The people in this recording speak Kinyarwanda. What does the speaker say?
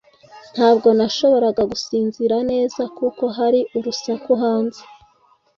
Ntabwo nashoboraga gusinzira neza kuko hari urusaku hanze